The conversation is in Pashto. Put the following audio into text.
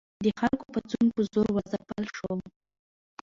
د خلکو پاڅون په زور وځپل شو.